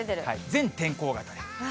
全天候型。